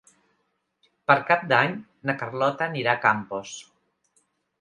Per Cap d'Any na Carlota anirà a Campos.